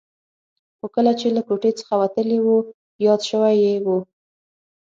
خو کله چې له کوټې څخه وتلی و یاد شوي یې و.